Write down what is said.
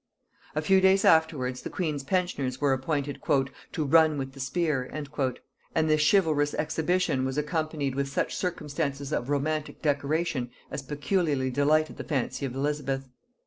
A few days afterwards the queen's pensioners were appointed "to run with the spear," and this chivalrous exhibition was accompanied with such circumstances of romantic decoration as peculiarly delighted the fancy of Elizabeth.